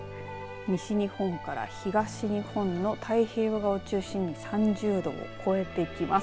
西日本から東日本の太平洋側を中心に３０度を超えてきます。